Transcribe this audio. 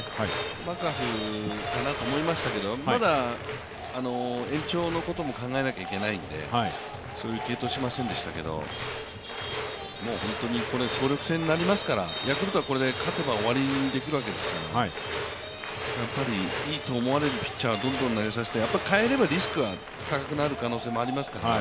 マクガフかなと思いましたけどまだ延長のことも考えなきゃいけないんでそういう継投はしませんでしたけど、本当にこれ、総力戦になりますからヤクルトはこれで勝てば終わりにできるわけですから、やっぱりいいと思われるピッチャーにどんどん投げさせて代えればリスクが高くなる可能性もありますからね。